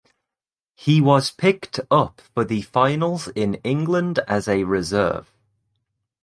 He was picked up for the finals in England as a reserve.